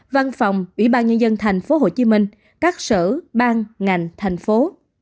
văn phòng ủy ban nhân dân tp hcm các sở ban ngành thành phố